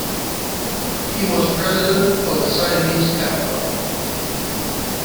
He was president of the Siamese Cat Club.